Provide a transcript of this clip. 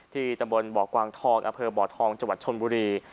ที่ตำบลบกวางทองอบทองจชนบุรี